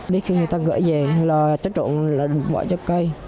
đi khi người ta gửi về là cháy trộn là bỏ cho cây